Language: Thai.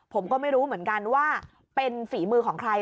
ผมก็ไม่รู้เหมือนกันว่าเป็นฝีมือของใคร